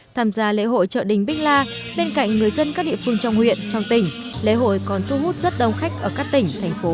tham gia lễ hội chợ đình bích la bên cạnh người dân các địa phương trong huyện trong tỉnh lễ hội còn thu hút rất đông khách ở các tỉnh thành phố